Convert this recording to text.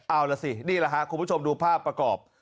เอาล่ะสินี่แหละครับคุณผู้ชมดูภาพประกอบ